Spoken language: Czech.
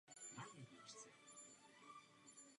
Křídla jsou lemována bíle.